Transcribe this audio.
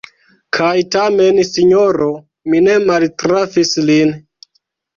Kaj tamen, sinjoro, mi ne maltrafis lin.